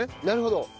なるほど。